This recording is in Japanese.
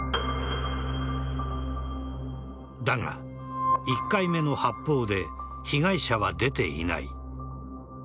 だが、１回目の発砲で被害者は出ていない。